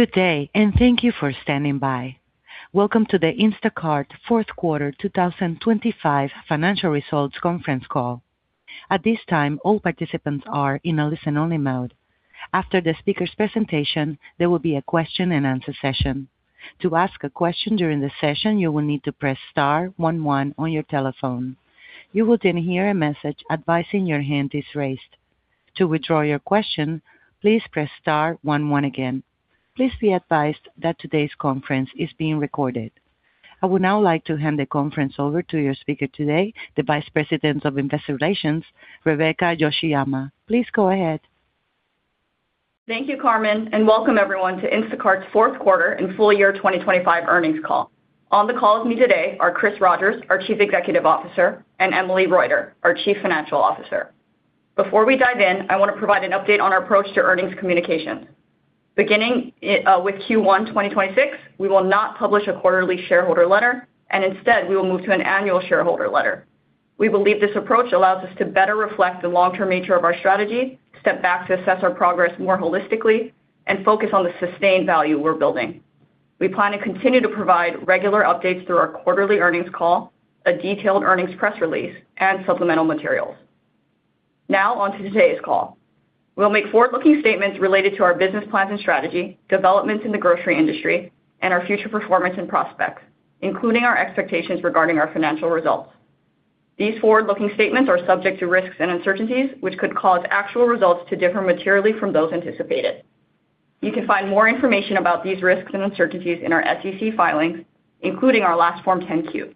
Good day, and thank you for standing by. Welcome to the Instacart Fourth Quarter 2025 Financial Results Conference Call. At this time, all participants are in a listen-only mode. After the speaker's presentation, there will be a question-and-answer session. To ask a question during the session, you will need to press star one one on your telephone. You will then hear a message advising your hand is raised. To withdraw your question, please press star one one again. Please be advised that today's conference is being recorded. I would now like to hand the conference over to your speaker today, the Vice President of Investor Relations, Rebecca Yoshiyama. Please go ahead. Thank you, Carmen, and welcome everyone to Instacart's Fourth Quarter and Full Year 2025 Earnings Call. On the call with me today are Chris Rogers, our Chief Executive Officer, and Emily Reuter, our Chief Financial Officer. Before we dive in, I want to provide an update on our approach to earnings communications. Beginning with Q1 2026, we will not publish a quarterly shareholder letter, and instead, we will move to an annual shareholder letter. We believe this approach allows us to better reflect the long-term nature of our strategy, step back to assess our progress more holistically, and focus on the sustained value we're building. We plan to continue to provide regular updates through our quarterly earnings call, a detailed earnings press release, and supplemental materials. Now on to today's call. We'll make forward-looking statements related to our business plans and strategy, developments in the grocery industry, and our future performance and prospects, including our expectations regarding our financial results. These forward-looking statements are subject to risks and uncertainties, which could cause actual results to differ materially from those anticipated. You can find more information about these risks and uncertainties in our SEC filings, including our last Form 10-Q.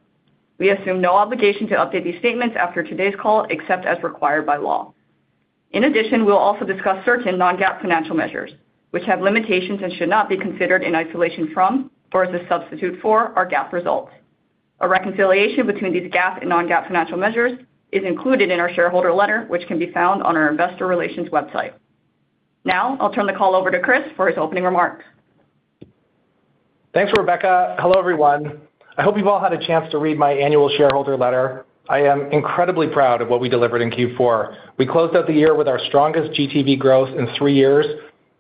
We assume no obligation to update these statements after today's call, except as required by law. In addition, we'll also discuss certain non-GAAP financial measures, which have limitations and should not be considered in isolation from or as a substitute for our GAAP results. A reconciliation between these GAAP and non-GAAP financial measures is included in our shareholder letter, which can be found on our investor relations website. Now, I'll turn the call over to Chris for his opening remarks. Thanks, Rebecca. Hello, everyone. I hope you've all had a chance to read my annual shareholder letter. I am incredibly proud of what we delivered in Q4. We closed out the year with our strongest GTV growth in three years.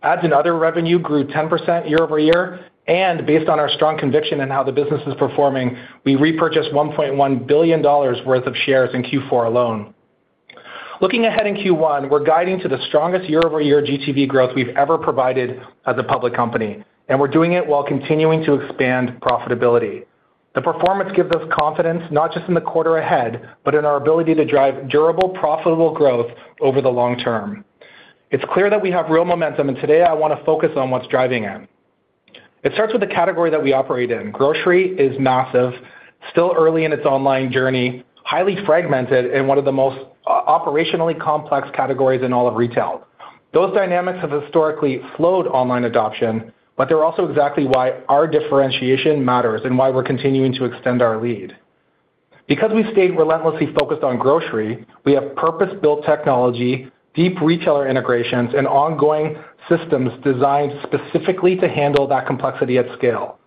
Ads and other revenue grew 10% year-over-year, and based on our strong conviction in how the business is performing, we repurchased $1.1 billion worth of shares in Q4 alone. Looking ahead in Q1, we're guiding to the strongest year-over-year GTV growth we've ever provided as a public company, and we're doing it while continuing to expand profitability. The performance gives us confidence not just in the quarter ahead, but in our ability to drive durable, profitable growth over the long term. It's clear that we have real momentum, and today I want to focus on what's driving it. It starts with the category that we operate in. Grocery is massive, still early in its online journey, highly fragmented, and one of the most operationally complex categories in all of retail. Those dynamics have historically slowed online adoption, but they're also exactly why our differentiation matters and why we're continuing to extend our lead. Because we've stayed relentlessly focused on grocery, we have purpose-built technology, deep retailer integrations, and ongoing systems designed specifically to handle that complexity at scale.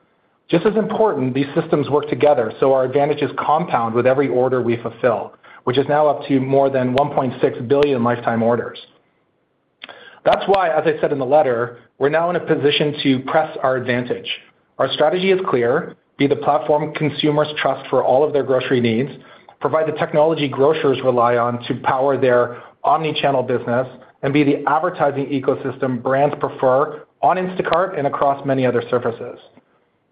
Just as important, these systems work together, so our advantages compound with every order we fulfill, which is now up to more than 1.6 billion lifetime orders. That's why, as I said in the letter, we're now in a position to press our advantage. Our strategy is clear: be the platform consumers trust for all of their grocery needs, provide the technology grocers rely on to power their omnichannel business, and be the advertising ecosystem brands prefer on Instacart and across many other surfaces.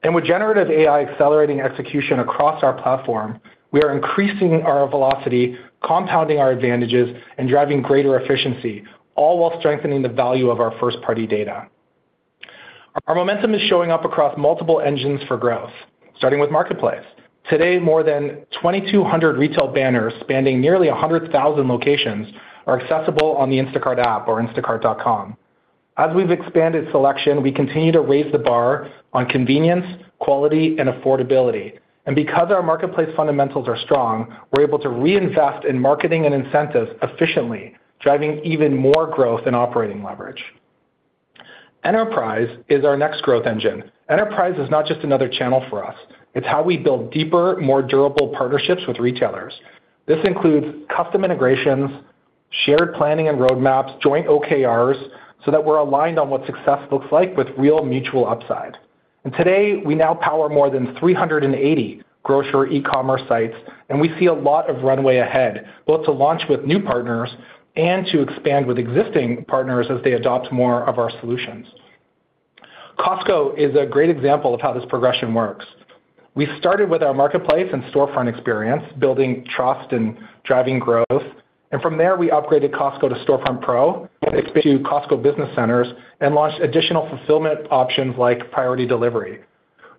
With generative AI accelerating execution across our platform, we are increasing our velocity, compounding our advantages, and driving greater efficiency, all while strengthening the value of our first-party data. Our momentum is showing up across multiple engines for growth, starting with Marketplace. Today, more than 2,200 retail banners spanning nearly 100,000 locations are accessible on the Instacart app or instacart.com. As we've expanded selection, we continue to raise the bar on convenience, quality, and affordability. Because our marketplace fundamentals are strong, we're able to reinvest in marketing and incentives efficiently, driving even more growth and operating leverage. Enterprise is our next growth engine. Enterprise is not just another channel for us. It's how we build deeper, more durable partnerships with retailers. This includes custom integrations, shared planning and roadmaps, joint OKRs, so that we're aligned on what success looks like with real mutual upside. Today, we now power more than 380 grocery e-commerce sites, and we see a lot of runway ahead, both to launch with new partners and to expand with existing partners as they adopt more of our solutions. Costco is a great example of how this progression works. We started with our marketplace and storefront experience, building trust and driving growth, and from there, we upgraded Costco to Storefront Pro, expanded to Costco Business Centers, and launched additional fulfillment options like Priority Delivery.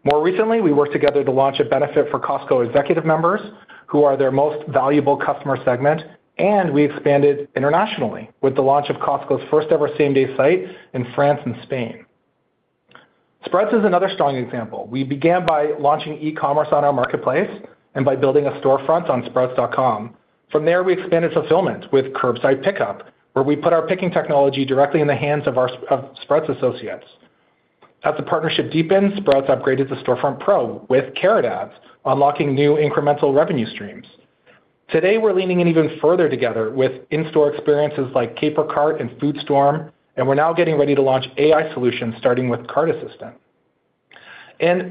More recently, we worked together to launch a benefit for Costco Executive Members, who are their most valuable customer segment, and we expanded internationally with the launch of Costco's first-ever same-day site in France and Spain. Sprouts is another strong example. We began by launching e-commerce on our marketplace and by building a storefront on Sprouts.com. From there, we expanded fulfillment with curbside pickup, where we put our picking technology directly in the hands of our Sprouts associates. As the partnership deepened, Sprouts upgraded to Storefront Pro with Carrot Ads, unlocking new incremental revenue streams.... Today, we're leaning in even further together with in-store experiences like Caper Cart and FoodStorm, and we're now getting ready to launch AI solutions, starting with Cart Assistant.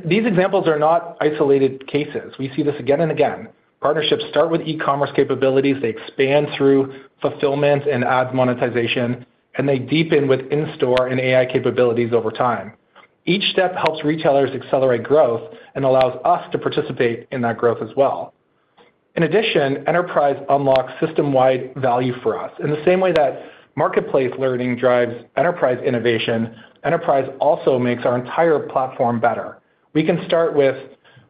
These examples are not isolated cases. We see this again and again. Partnerships start with e-commerce capabilities, they expand through fulfillment and ads monetization, and they deepen with in-store and AI capabilities over time. Each step helps retailers accelerate growth and allows us to participate in that growth as well. In addition, enterprise unlocks system-wide value for us. In the same way that marketplace learning drives enterprise innovation, enterprise also makes our entire platform better. We can start with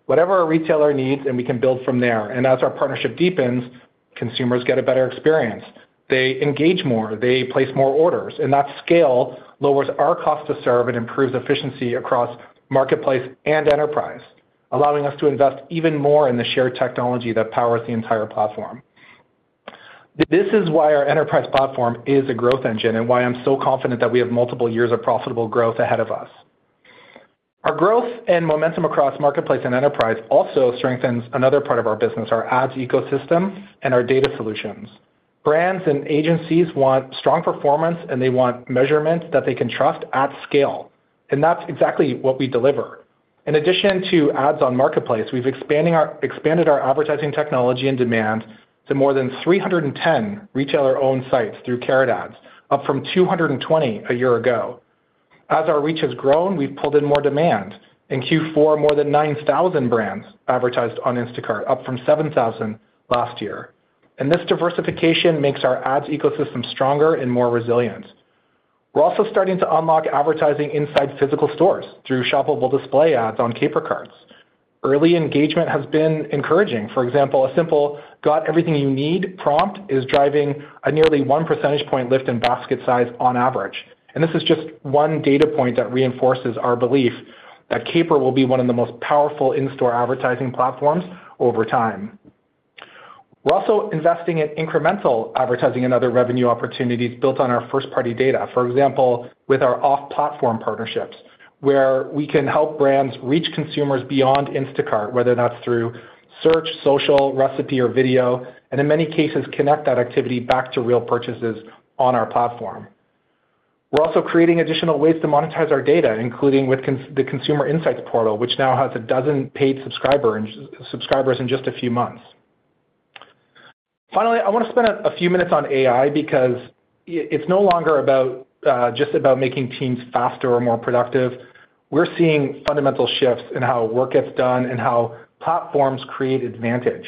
whatever a retailer needs, and we can build from there. And as our partnership deepens, consumers get a better experience. They engage more, they place more orders, and that scale lowers our cost to serve and improves efficiency across marketplace and enterprise, allowing us to invest even more in the shared technology that powers the entire platform. This is why our enterprise platform is a growth engine, and why I'm so confident that we have multiple years of profitable growth ahead of us. Our growth and momentum across Marketplace and Enterprise also strengthens another part of our business, our ads ecosystem and our data solutions. Brands and agencies want strong performance, and they want measurements that they can trust at scale, and that's exactly what we deliver. In addition to ads on Marketplace, we've expanded our advertising technology and demand to more than 310 retailer-owned sites through Carrot Ads, up from 220 a year ago. As our reach has grown, we've pulled in more demand. In Q4, more than 9,000 brands advertised on Instacart, up from 7,000 last year, and this diversification makes our ads ecosystem stronger and more resilient. We're also starting to unlock advertising inside physical stores through shoppable display ads on Caper Carts. Early engagement has been encouraging. For example, a simple, "Got everything you need?" prompt is driving a nearly one percentage point lift in basket size on average. And this is just one data point that reinforces our belief that Caper will be one of the most powerful in-store advertising platforms over time. We're also investing in incremental advertising and other revenue opportunities built on our first-party data. For example, with our off-platform partnerships, where we can help brands reach consumers beyond Instacart, whether that's through search, social, recipe, or video, and in many cases, connect that activity back to real purchases on our platform. We're also creating additional ways to monetize our data, including with the Consumer Insights Portal, which now has a dozen paid subscribers in just a few months. Finally, I want to spend a few minutes on AI, because it's no longer about just about making teams faster or more productive. We're seeing fundamental shifts in how work gets done and how platforms create advantage.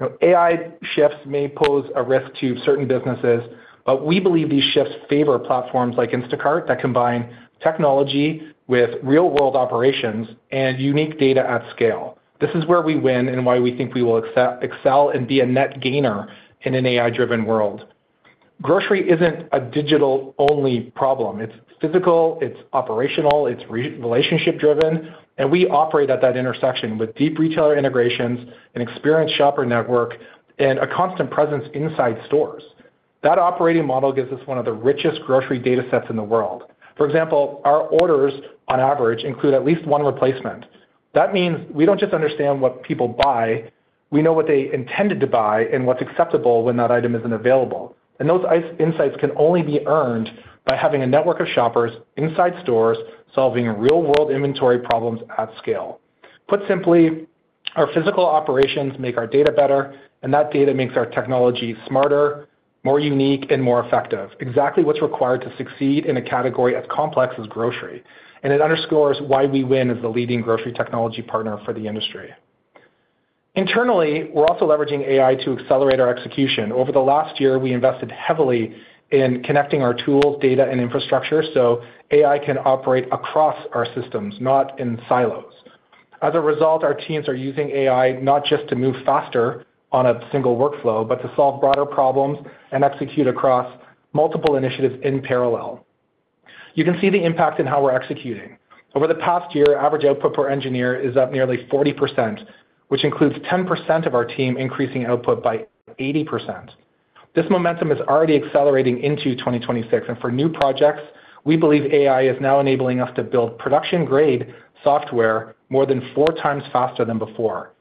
Now, AI shifts may pose a risk to certain businesses, but we believe these shifts favor platforms like Instacart that combine technology with real-world operations and unique data at scale. This is where we win and why we think we will excel, excel and be a net gainer in an AI-driven world. Grocery isn't a digital-only problem. It's physical, it's operational, it's relationship driven, and we operate at that intersection with deep retailer integrations, an experienced shopper network, and a constant presence inside stores. That operating model gives us one of the richest grocery data sets in the world. For example, our orders, on average, include at least one replacement. That means we don't just understand what people buy, we know what they intended to buy and what's acceptable when that item isn't available. Those insights can only be earned by having a network of shoppers inside stores, solving real-world inventory problems at scale. Put simply, our physical operations make our data better, and that data makes our technology smarter, more unique, and more effective, exactly what's required to succeed in a category as complex as grocery, and it underscores why we win as the leading grocery technology partner for the industry. Internally, we're also leveraging AI to accelerate our execution. Over the last year, we invested heavily in connecting our tools, data, and infrastructure, so AI can operate across our systems, not in silos. As a result, our teams are using AI not just to move faster on a single workflow, but to solve broader problems and execute across multiple initiatives in parallel. You can see the impact in how we're executing. Over the past year, average output per engineer is up nearly 40%, which includes 10% of our team increasing output by 80%. This momentum is already accelerating into 2026, and for new projects, we believe AI is now enabling us to build production-grade software more than 4x faster than before.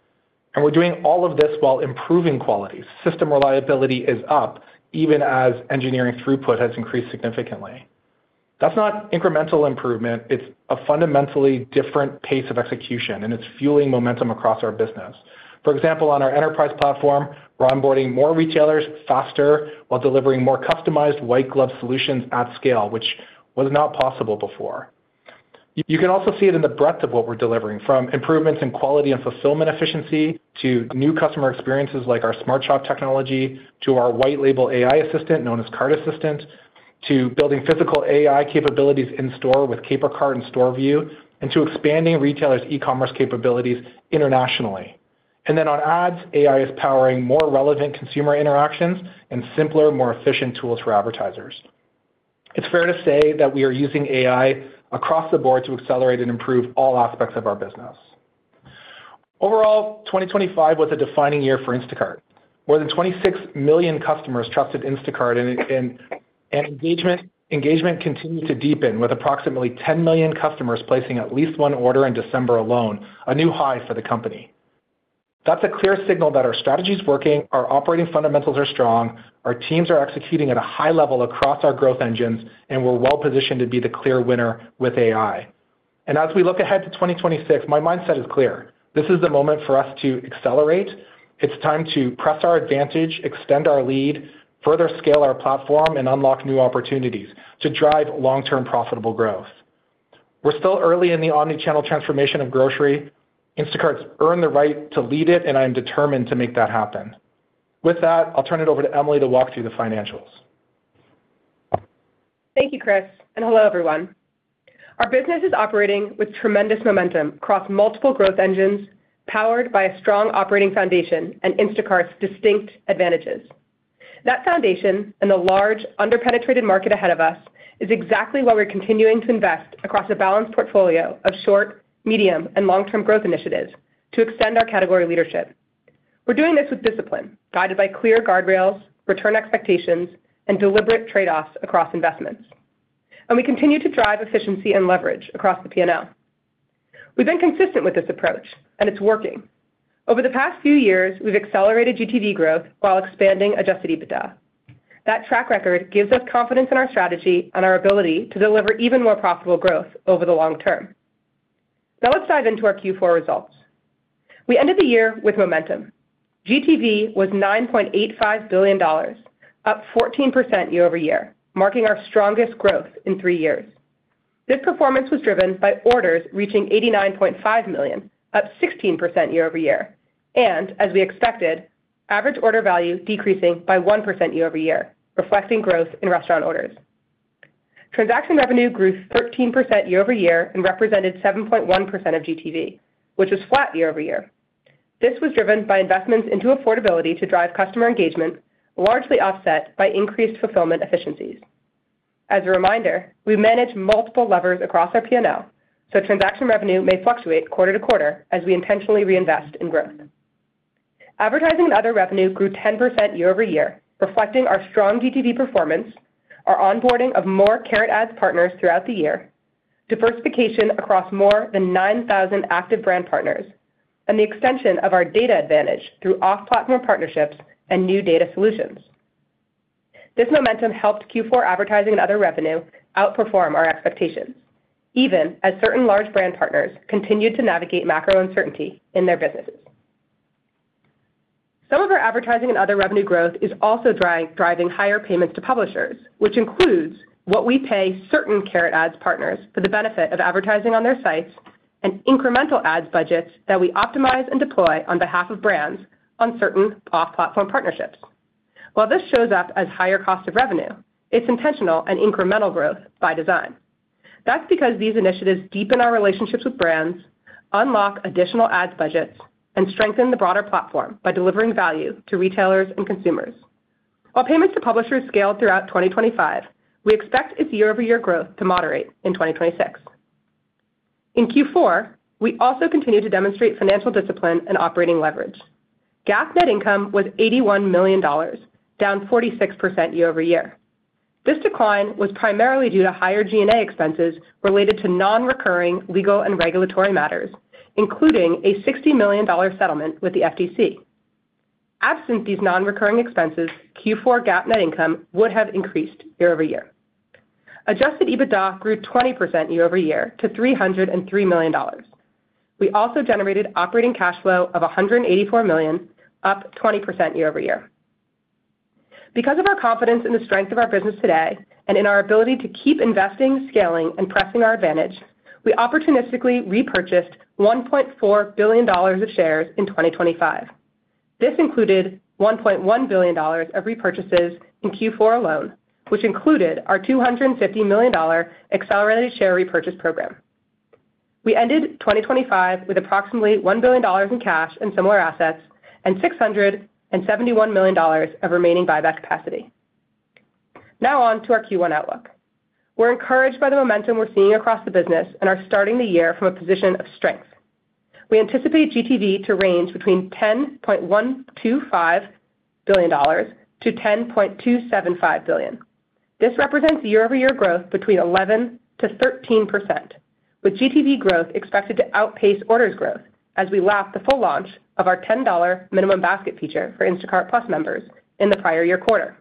And we're doing all of this while improving quality. System reliability is up, even as engineering throughput has increased significantly. That's not incremental improvement, it's a fundamentally different pace of execution, and it's fueling momentum across our business. For example, on our enterprise platform, we're onboarding more retailers faster while delivering more customized white-glove solutions at scale, which was not possible before. You can also see it in the breadth of what we're delivering, from improvements in quality and fulfillment efficiency to new customer experiences like our Smart Shop technology, to our white-label AI assistant, known as Cart Assistant, to building physical AI capabilities in store with Caper Cart and Store View, and to expanding retailers' e-commerce capabilities internationally. And then on ads, AI is powering more relevant consumer interactions and simpler, more efficient tools for advertisers. It's fair to say that we are using AI across the board to accelerate and improve all aspects of our business. Overall, 2025 was a defining year for Instacart. More than 26 million customers trusted Instacart. And engagement, engagement continues to deepen, with approximately 10 million customers placing at least one order in December alone, a new high for the company. That's a clear signal that our strategy is working, our operating fundamentals are strong, our teams are executing at a high level across our growth engines, and we're well positioned to be the clear winner with AI. As we look ahead to 2026, my mindset is clear: This is the moment for us to accelerate. It's time to press our advantage, extend our lead, further scale our platform, and unlock new opportunities to drive long-term profitable growth. We're still early in the omnichannel transformation of grocery. Instacart's earned the right to lead it, and I am determined to make that happen. With that, I'll turn it over to Emily to walk through the financials. Thank you, Chris, and hello, everyone. Our business is operating with tremendous momentum across multiple growth engines, powered by a strong operating foundation and Instacart's distinct advantages. That foundation, and the large under-penetrated market ahead of us, is exactly why we're continuing to invest across a balanced portfolio of short, medium, and long-term growth initiatives to extend our category leadership. We're doing this with discipline, guided by clear guardrails, return expectations, and deliberate trade-offs across investments. We continue to drive efficiency and leverage across the P&L. We've been consistent with this approach, and it's working. Over the past few years, we've accelerated GTV growth while expanding Adjusted EBITDA. That track record gives us confidence in our strategy and our ability to deliver even more profitable growth over the long term. Now let's dive into our Q4 results. We ended the year with momentum. GTV was $9.85 billion, up 14% year-over-year, marking our strongest growth in three years. This performance was driven by orders reaching 89.5 million, up 16% year-over-year, and, as we expected, average order value decreasing by 1% year-over-year, reflecting growth in restaurant orders. Transaction revenue grew 13% year-over-year and represented 7.1% of GTV, which was flat year-over-year. This was driven by investments into affordability to drive customer engagement, largely offset by increased fulfillment efficiencies. As a reminder, we manage multiple levers across our P&L, so transaction revenue may fluctuate quarter-to-quarter as we intentionally reinvest in growth. Advertising and other revenue grew 10% year-over-year, reflecting our strong GTV performance, our onboarding of more Carrot Ads partners throughout the year, diversification across more than 9,000 active brand partners, and the extension of our data advantage through off-platform partnerships and new data solutions. This momentum helped Q4 advertising and other revenue outperform our expectations, even as certain large brand partners continued to navigate macro uncertainty in their businesses. Some of our advertising and other revenue growth is also driving higher payments to publishers, which includes what we pay certain Carrot Ads partners for the benefit of advertising on their sites, and incremental ads budgets that we optimize and deploy on behalf of brands on certain off-platform partnerships. While this shows up as higher cost of revenue, it's intentional and incremental growth by design. That's because these initiatives deepen our relationships with brands, unlock additional ads budgets, and strengthen the broader platform by delivering value to retailers and consumers. While payments to publishers scaled throughout 2025, we expect its year-over-year growth to moderate in 2026. In Q4, we also continued to demonstrate financial discipline and operating leverage. GAAP net income was $81 million, down 46% year-over-year. This decline was primarily due to higher G&A expenses related to non-recurring legal and regulatory matters, including a $60 million settlement with the FTC. Absent these non-recurring expenses, Q4 GAAP net income would have increased year-over-year. Adjusted EBITDA grew 20% year-over-year to $303 million. We also generated operating cash flow of $184 million, up 20% year-over-year. Because of our confidence in the strength of our business today, and in our ability to keep investing, scaling, and pressing our advantage, we opportunistically repurchased $1.4 billion of shares in 2025. This included $1.1 billion of repurchases in Q4 alone, which included our $250 million accelerated share repurchase program. We ended 2025 with approximately $1 billion in cash and similar assets, and $671 million of remaining buyback capacity. Now on to our Q1 outlook. We're encouraged by the momentum we're seeing across the business and are starting the year from a position of strength. We anticipate GTV to range between $10.125 billion-$10.275 billion. This represents year-over-year growth between 11%-13%, with GTV growth expected to outpace orders growth as we lap the full launch of our $10 minimum basket feature for Instacart+ members in the prior year quarter.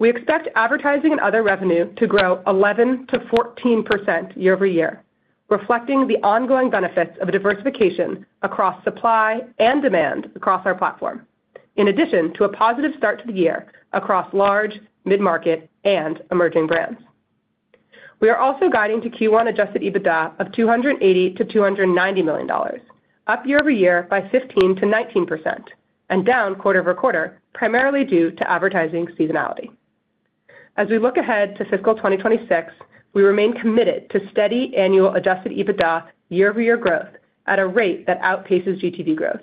We expect advertising and other revenue to grow 11%-14% year-over-year, reflecting the ongoing benefits of diversification across supply and demand across our platform, in addition to a positive start to the year across large, mid-market, and emerging brands. We are also guiding to Q1 adjusted EBITDA of $280 million-$290 million, up year-over-year by 15%-19% and down quarter-over-quarter, primarily due to advertising seasonality. As we look ahead to fiscal 2026, we remain committed to steady annual adjusted EBITDA year-over-year growth at a rate that outpaces GTV growth.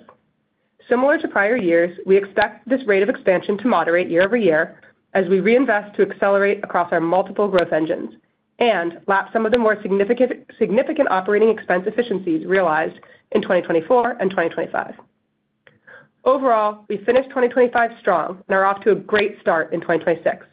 Similar to prior years, we expect this rate of expansion to moderate year-over-year as we reinvest to accelerate across our multiple growth engines and lap some of the more significant operating expense efficiencies realized in 2024 and 2025. ...Overall, we finished 2025 strong and are off to a great start in 2026.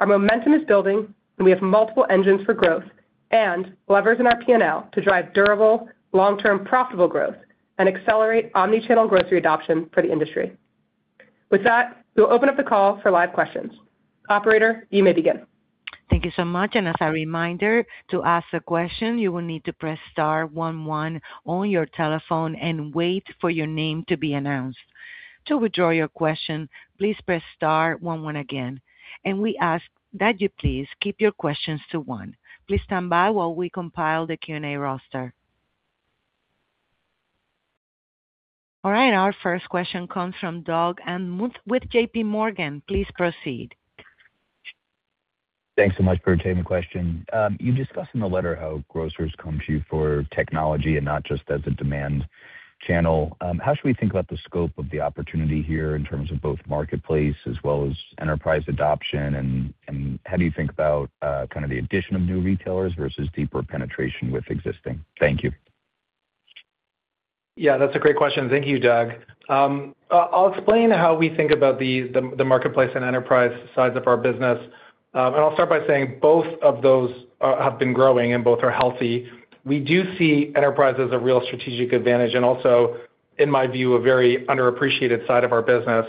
Our momentum is building, and we have multiple engines for growth and levers in our P&L to drive durable, long-term, profitable growth and accelerate omni-channel grocery adoption for the industry. With that, we'll open up the call for live questions. Operator, you may begin. Thank you so much. As a reminder, to ask a question, you will need to press star one one on your telephone and wait for your name to be announced. To withdraw your question, please press star one one again, and we ask that you please keep your questions to one. Please stand by while we compile the Q&A roster. All right, our first question comes from Doug Anmuth with JPMorgan. Please proceed. Thanks so much for taking the question. You discussed in the letter how grocers come to you for technology and not just as a demand channel. How should we think about the scope of the opportunity here in terms of both marketplace as well as enterprise adoption? And, and how do you think about, kind of the addition of new retailers versus deeper penetration with existing? Thank you. Yeah, that's a great question. Thank you, Doug. I'll explain how we think about the marketplace and enterprise sides of our business. And I'll start by saying both of those have been growing, and both are healthy. We do see enterprise as a real strategic advantage and also, in my view, a very underappreciated side of our business.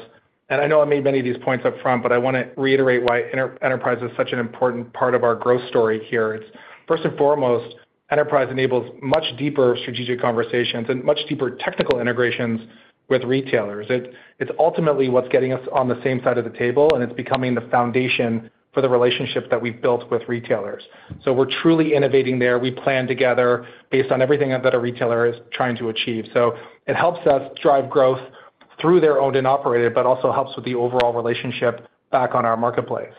I know I made many of these points up front, but I want to reiterate why enterprise is such an important part of our growth story here. It's first and foremost, enterprise enables much deeper strategic conversations and much deeper technical integrations with retailers. It's ultimately what's getting us on the same side of the table, and it's becoming the foundation for the relationships that we've built with retailers. We're truly innovating there. We plan together based on everything that a retailer is trying to achieve. So it helps us drive growth through their owned and operated, but also helps with the overall relationship back on our marketplace.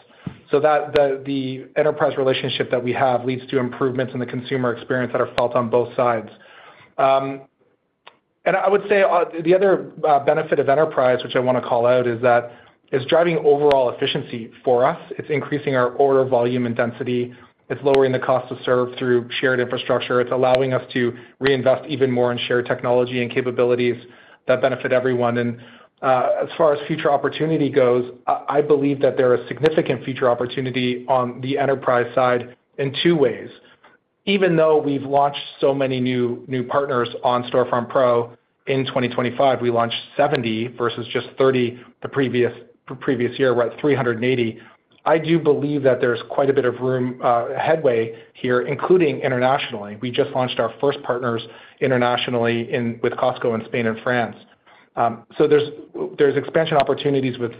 So that the enterprise relationship that we have leads to improvements in the consumer experience that are felt on both sides. And I would say the other benefit of enterprise, which I want to call out, is that it's driving overall efficiency for us. It's increasing our order volume and density. It's lowering the cost to serve through shared infrastructure. It's allowing us to reinvest even more in shared technology and capabilities that benefit everyone. And as far as future opportunity goes, I believe that there are significant future opportunity on the enterprise side in two ways. Even though we've launched so many new partners on Storefront Pro in 2025, we launched 70 versus just 30 the previous year, we're at 380. I do believe that there's quite a bit of room headway here, including internationally. We just launched our first partners internationally with Costco in Spain and France. So there's expansion opportunities with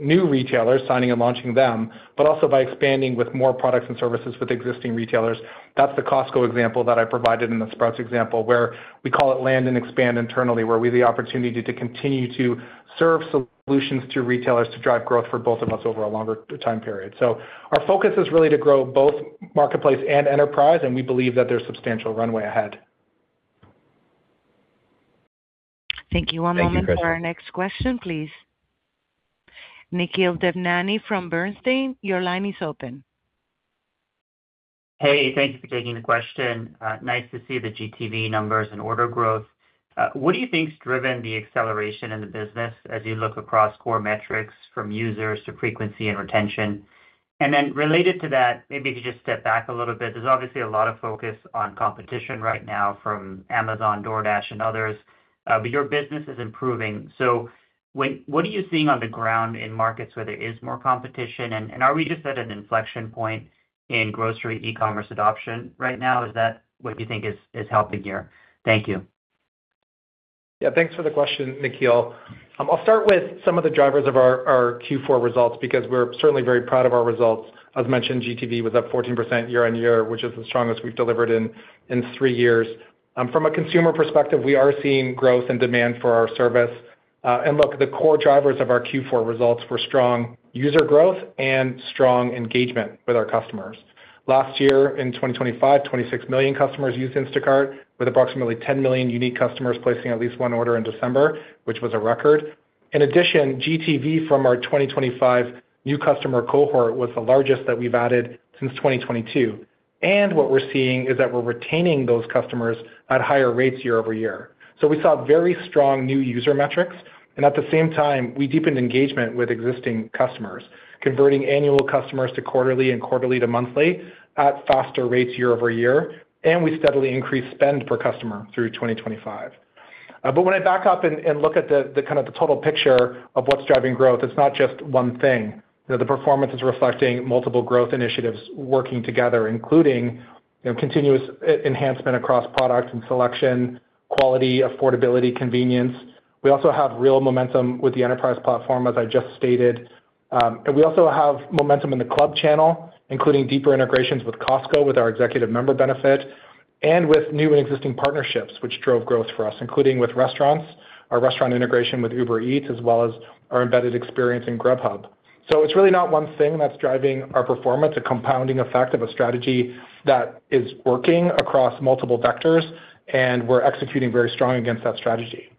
new retailers, signing and launching them, but also by expanding with more products and services with existing retailers. That's the Costco example that I provided and the Sprouts example, where we call it land and expand internally, where we have the opportunity to continue to serve solutions to retailers to drive growth for both of us over a longer time period. So our focus is really to grow both marketplace and enterprise, and we believe that there's substantial runway ahead. Thank you. One moment for our next question, please. Nikhil Devnani from Bernstein, your line is open. Hey, thank you for taking the question. Nice to see the GTV numbers and order growth. What do you think's driven the acceleration in the business as you look across core metrics from users to frequency and retention? And then related to that, maybe if you just step back a little bit, there's obviously a lot of focus on competition right now from Amazon, DoorDash, and others, but your business is improving. So what are you seeing on the ground in markets where there is more competition? And are we just at an inflection point in grocery e-commerce adoption right now? Is that what you think is helping here? Thank you. Yeah, thanks for the question, Nikhil. I'll start with some of the drivers of our, our Q4 results, because we're certainly very proud of our results. As mentioned, GTV was up 14% year-on-year, which is the strongest we've delivered in three years. From a consumer perspective, we are seeing growth and demand for our service. And look, the core drivers of our Q4 results were strong user growth and strong engagement with our customers. Last year, in 2025, 26 million customers used Instacart, with approximately 10 million unique customers placing at least one order in December, which was a record. In addition, GTV from our 2025 new customer cohort was the largest that we've added since 2022, and what we're seeing is that we're retaining those customers at higher rates year-on-year. So we saw very strong new user metrics, and at the same time, we deepened engagement with existing customers, converting annual customers to quarterly and quarterly to monthly at faster rates year-over-year, and we steadily increased spend per customer through 2025. But when I back up and look at the kind of total picture of what's driving growth, it's not just one thing. You know, the performance is reflecting multiple growth initiatives working together, including, you know, continuous enhancement across products and selection, quality, affordability, convenience. We also have real momentum with the enterprise platform, as I just stated. And we also have momentum in the club channel, including deeper integrations with Costco, with our executive member benefit, and with new and existing partnerships which drove growth for us, including with restaurants, our restaurant integration with Uber Eats, as well as our embedded experience in Grubhub. So it's really not one thing that's driving our performance, a compounding effect of a strategy that is working across multiple vectors, and we're executing very strong against that strategy.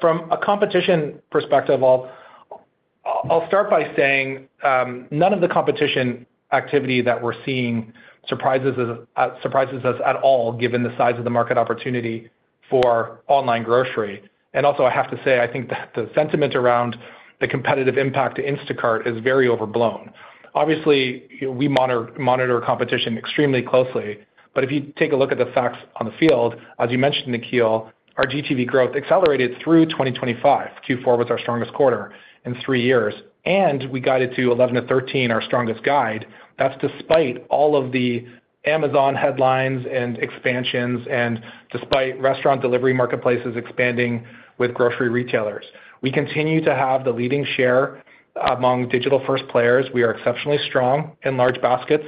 From a competition perspective, I'll start by saying, none of the competition activity that we're seeing surprises us at all, given the size of the market opportunity for online grocery. And also, I have to say, I think that the sentiment around the competitive impact to Instacart is very overblown. Obviously, we monitor competition extremely closely, but if you take a look at the facts on the field, as you mentioned, Nikhil, our GTV growth accelerated through 2025. Q4 was our strongest quarter in three years, and we guided to 11-13, our strongest guide. That's despite all of the Amazon headlines and expansions and despite restaurant delivery marketplaces expanding with grocery retailers. We continue to have the leading share among digital-first players. We are exceptionally strong in large baskets,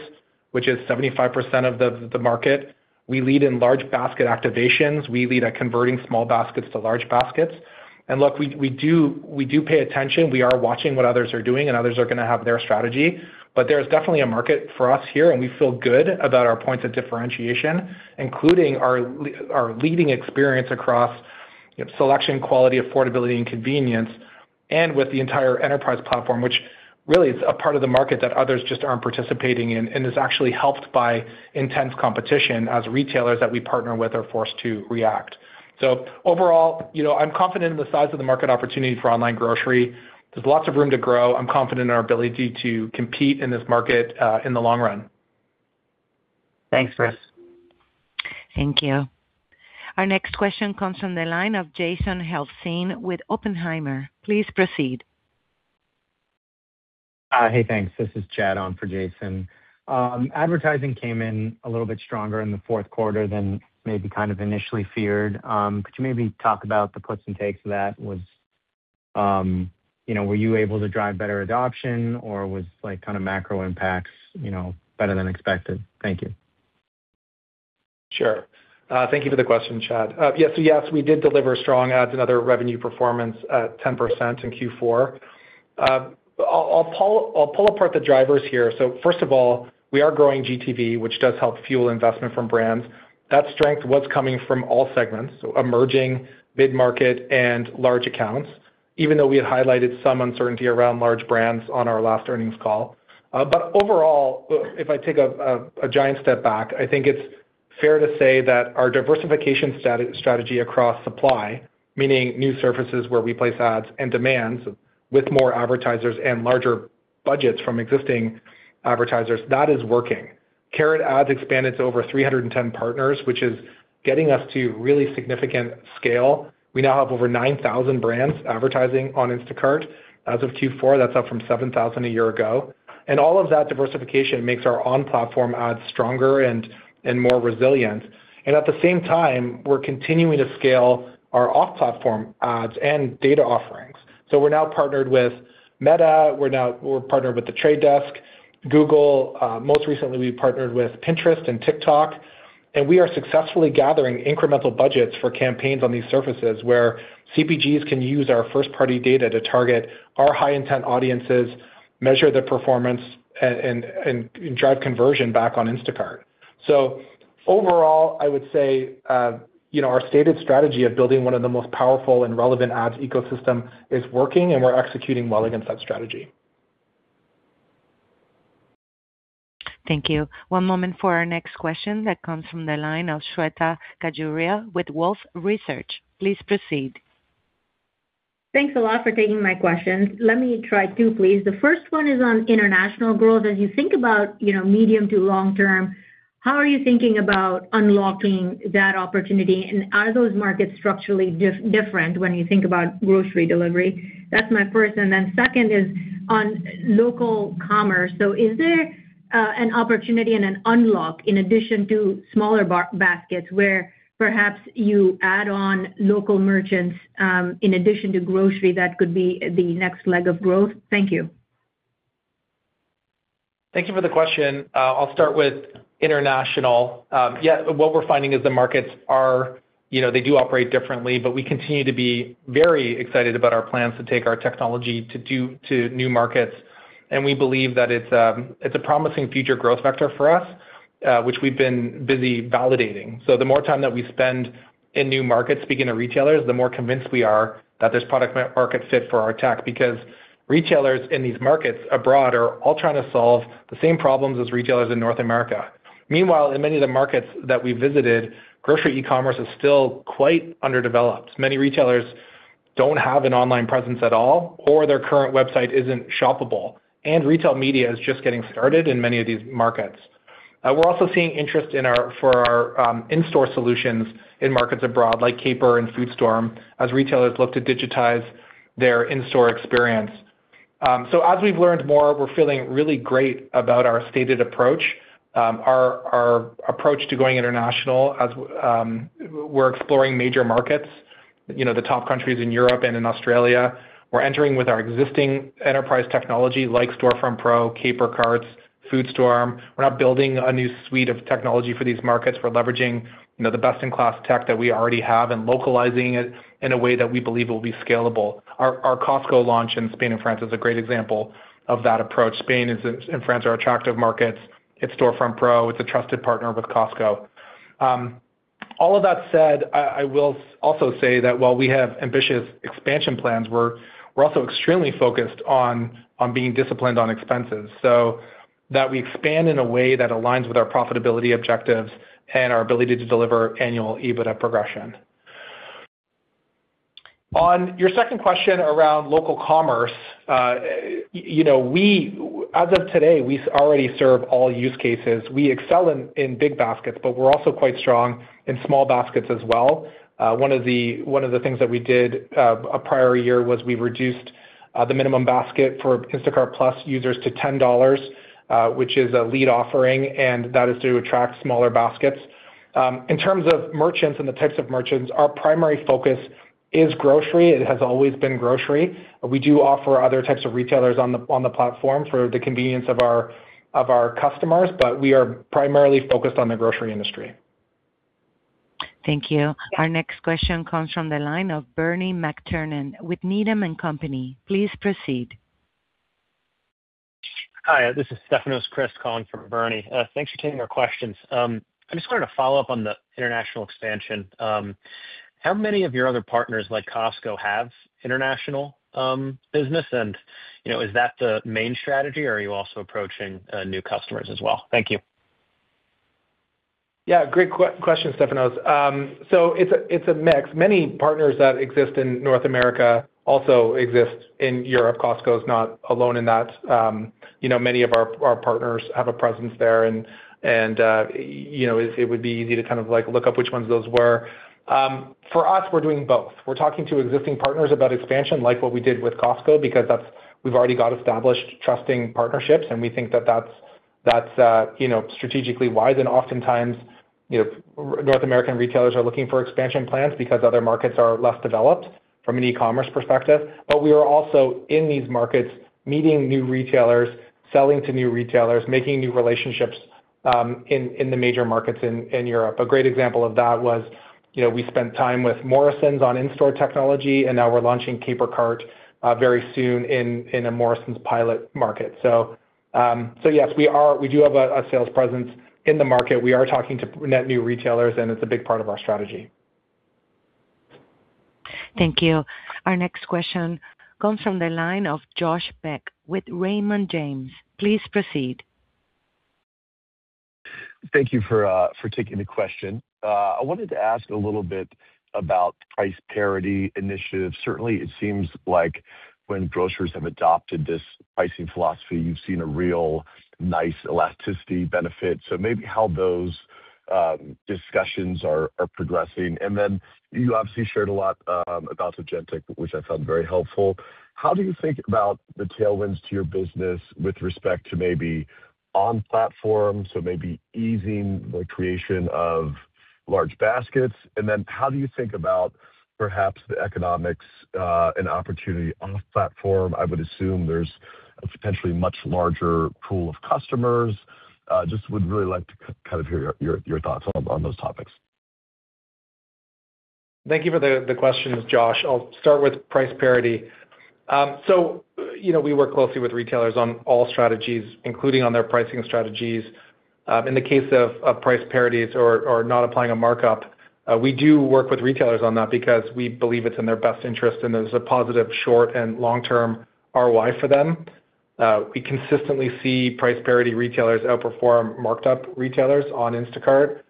which is 75% of the market. We lead in large basket activations. We lead at converting small baskets to large baskets. And look, we do pay attention. We are watching what others are doing, and others are going to have their strategy, but there's definitely a market for us here, and we feel good about our points of differentiation, including our leading experience across, you know, selection, quality, affordability, and convenience, and with the entire enterprise platform, which really is a part of the market that others just aren't participating in, and is actually helped by intense competition as retailers that we partner with are forced to react. So overall, you know, I'm confident in the size of the market opportunity for online grocery. There's lots of room to grow. I'm confident in our ability to compete in this market in the long run. Thanks, Chris. Thank you. Our next question comes from the line of Jason Helfstein with Oppenheimer. Please proceed. Hey, thanks. This is Chad on for Jason. Advertising came in a little bit stronger in the fourth quarter than maybe kind of initially feared. Could you maybe talk about the puts and takes of that? Was, you know, were you able to drive better adoption, or was, like, kind of macro impacts, you know, better than expected? Thank you. Sure. Thank you for the question, Chad. Yes, so yes, we did deliver strong ads, another revenue performance at 10% in Q4. I'll pull apart the drivers here. So first of all, we are growing GTV, which does help fuel investment from brands. That strength was coming from all segments, so emerging, mid-market, and large accounts, even though we had highlighted some uncertainty around large brands on our last earnings call. But overall, if I take a giant step back, I think it's fair to say that our diversification strategy across supply, meaning new surfaces where we place ads and demands with more advertisers and larger budgets from existing advertisers, that is working. Carrot Ads expanded to over 310 partners, which is getting us to really significant scale. We now have over 9,000 brands advertising on Instacart as of Q4. That's up from 7,000 a year ago. And all of that diversification makes our on-platform ads stronger and more resilient. And at the same time, we're continuing to scale our off-platform ads and data offerings. So we're now partnered with Meta, we're partnered with The Trade Desk, Google, most recently, we partnered with Pinterest and TikTok, and we are successfully gathering incremental budgets for campaigns on these surfaces, where CPGs can use our first-party data to target our high-intent audiences, measure their performance, and drive conversion back on Instacart. So overall, I would say, you know, our stated strategy of building one of the most powerful and relevant ads ecosystem is working, and we're executing well against that strategy. Thank you. One moment for our next question that comes from the line of Shweta Khajuria with Wolfe Research. Please proceed. Thanks a lot for taking my questions. Let me try two, please. The first one is on international growth. As you think about, you know, medium to long term, how are you thinking about unlocking that opportunity, and are those markets structurally different when you think about grocery delivery? That's my first, and then second is on local commerce. So is there an opportunity and an unlock in addition to smaller baskets, where perhaps you add on local merchants in addition to grocery, that could be the next leg of growth? Thank you. Thank you for the question. I'll start with international. Yeah, what we're finding is the markets are... You know, they do operate differently, but we continue to be very excited about our plans to take our technology to new markets, and we believe that it's a promising future growth vector for us, which we've been busy validating. So the more time that we spend in new markets speaking to retailers, the more convinced we are that there's product market fit for our tech, because retailers in these markets abroad are all trying to solve the same problems as retailers in North America. Meanwhile, in many of the markets that we visited, grocery e-commerce is still quite underdeveloped. Many retailers don't have an online presence at all, or their current website isn't shoppable, and retail media is just getting started in many of these markets. We're also seeing interest in our in-store solutions in markets abroad, like Caper and FoodStorm, as retailers look to digitize their in-store experience. So as we've learned more, we're feeling really great about our stated approach. Our approach to going international as we're exploring major markets, you know, the top countries in Europe and in Australia. We're entering with our existing enterprise technology, like Storefront Pro, Caper Carts, FoodStorm. We're not building a new suite of technology for these markets. We're leveraging, you know, the best-in-class tech that we already have and localizing it in a way that we believe will be scalable. Our Costco launch in Spain and France is a great example of that approach. Spain and France are attractive markets. It's Storefront Pro. It's a trusted partner with Costco. All of that said, I will also say that while we have ambitious expansion plans, we're also extremely focused on being disciplined on expenses, so that we expand in a way that aligns with our profitability objectives and our ability to deliver annual EBITDA progression. On your second question around local commerce, you know, we as of today, we already serve all use cases. We excel in big baskets, but we're also quite strong in small baskets as well. One of the things that we did a prior year was we reduced the minimum basket for Instacart+ users to $10, which is a lead offering, and that is to attract smaller baskets. In terms of merchants and the types of merchants, our primary focus is grocery. It has always been grocery. We do offer other types of retailers on the platform for the convenience of our customers, but we are primarily focused on the grocery industry. Thank you. Our next question comes from the line of Bernie McTernan with Needham and Company. Please proceed. Hi, this is Stefanos Crist calling from Bernie. Thanks for taking our questions. I just wanted to follow up on the international expansion. How many of your other partners, like Costco, have international business? And, you know, is that the main strategy, or are you also approaching new customers as well? Thank you. Yeah, great question, Stefanos. So it's a mix. Many partners that exist in North America also exist in Europe. Costco is not alone in that. You know, many of our partners have a presence there and it would be easy to kind of, like, look up which ones those were. For us, we're doing both. We're talking to existing partners about expansion, like what we did with Costco, because that's, we've already got established, trusting partnerships, and we think that that's strategically wise. And oftentimes, you know, North American retailers are looking for expansion plans because other markets are less developed from an e-commerce perspective. But we are also in these markets, meeting new retailers, selling to new retailers, making new relationships in the major markets in Europe. A great example of that was, you know, we spent time with Morrisons on in-store technology, and now we're launching Caper Cart very soon in a Morrisons pilot market. So, yes, we are, we do have a sales presence in the market. We are talking to net new retailers, and it's a big part of our strategy. Thank you. Our next question comes from the line of Josh Beck with Raymond James. Please proceed. Thank you for for taking the question. I wanted to ask a little bit about price parity initiatives. Certainly, it seems like when grocers have adopted this pricing philosophy, you've seen a real nice elasticity benefit. So maybe how those discussions are progressing. And then you obviously shared a lot about Agentic, which I found very helpful. How do you think about the tailwinds to your business with respect to maybe on-platform, so maybe easing the creation of large baskets? And then how do you think about perhaps the economics and opportunity off-platform? I would assume there's a potentially much larger pool of customers. Just would really like to kind of hear your thoughts on those topics. Thank you for the questions, Josh. I'll start with price parity. So, you know, we work closely with retailers on all strategies, including on their pricing strategies. In the case of price parities or not applying a markup, we do work with retailers on that because we believe it's in their best interest, and there's a positive short and long-term ROI for them. We consistently see price parity retailers outperform marked up retailers on Instacart.